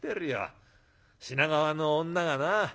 品川の女がな